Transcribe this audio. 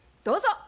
どうぞ。